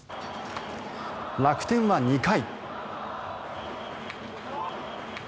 楽天は、２回。